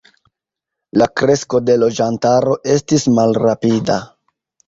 La kresko de loĝantaro estis malrapida.